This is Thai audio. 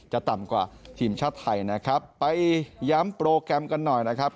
ต่ำกว่าทีมชาติไทยนะครับไปย้ำโปรแกรมกันหน่อยนะครับ